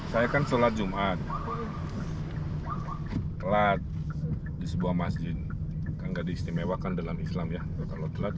saya kan sholat jumat telat di sebuah masjid yang gak diistimewakan dalam islam ya kalau telat